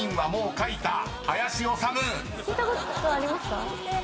・聴いたことありますか？